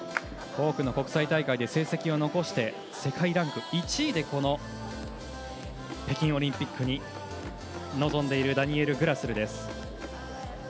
多くの国際大会で成績を残して世界ランク１位で北京オリンピックに臨んでいるダニエル・グラスル。